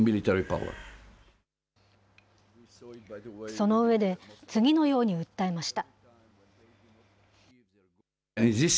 その上で、次のように訴えました。